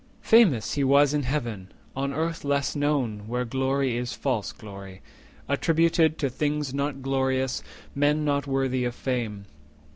Famous he was in Heaven; on Earth less known, Where glory is false glory, attributed To things not glorious, men not worthy of fame.